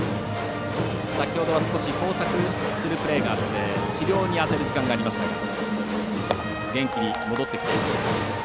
先ほどは、少し交錯するようなプレーがあって治療に当てる時間がありましたが元気に戻ってきています。